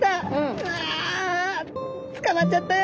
うわあ捕まっちゃったよ。